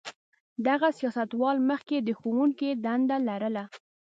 دغه سیاستوال مخکې د ښوونکي دنده لرله.